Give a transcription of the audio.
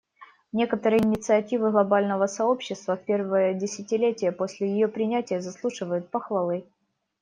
Некоторые инициативы глобального сообщества в первое десятилетие после ее принятия заслуживают похвалы.